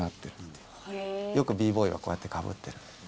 よくＢ−ＢＯＹはこうやってかぶってる。